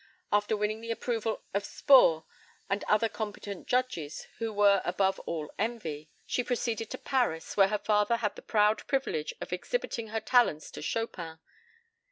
After winning the approval of Spohr and other competent judges who were above all envy, she proceeded to Paris, where her father had the proud privilege of exhibiting her talents to Chopin.